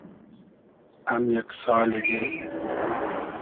ام یئگ سالی دیل